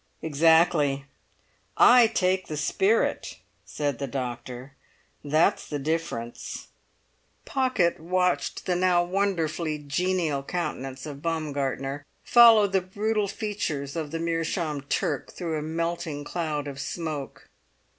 "Exactly! I take the spirit," said the doctor; "that's the difference." Pocket watched the now wonderfully genial countenance of Baumgartner follow the brutal features of the meerschaum Turk through a melting cloud of smoke.